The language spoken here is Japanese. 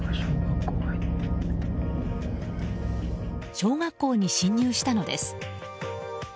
小学校に侵入したのです。